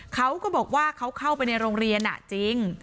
เขาก็บอกว่าเขาเข้าไปในโรงเรียนจริง